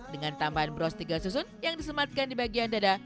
dengan tambahan bros tiga susun yang disematkan di bagian dada